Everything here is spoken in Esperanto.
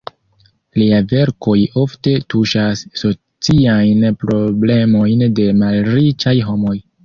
Liaj verkoj ofte tuŝas sociajn problemojn de malriĉaj homoj.